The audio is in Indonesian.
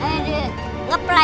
taman ini sangat bersih